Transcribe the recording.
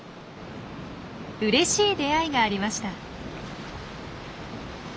うれしい出会いがありました。